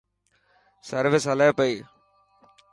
سروس هلي پئي.